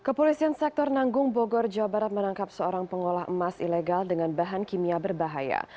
kepolisian sektor nanggung bogor jawa barat menangkap seorang pengolah emas ilegal dengan bahan kimia berbahaya